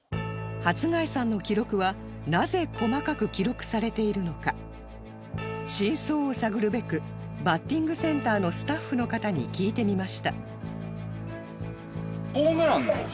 初谷さんの記録は真相を探るべくバッティングセンターのスタッフの方に聞いてみました